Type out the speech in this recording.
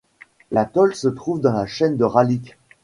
L'atoll se trouve dans la chaîne de Ralik.